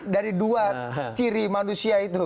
dari dua ciri manusia itu